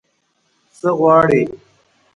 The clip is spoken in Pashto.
_څه غواړې؟